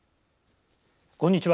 こんにちは。